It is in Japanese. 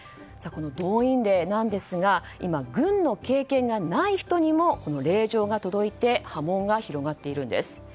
この動員令ですが今、軍の経験がない人にも令状が届いて波紋が広がっているんです。